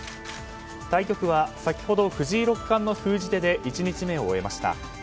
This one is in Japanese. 対局は先ほど藤井六冠の封じ手で１日目を終えました。